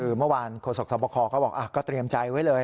คือเมื่อวานโฆษกสวบคก็บอกก็เตรียมใจไว้เลย